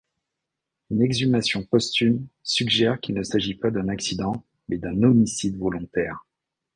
Une exhumation posthume suggère qu'il ne s'agit pas d'un accident mais d'un homicide volontaire.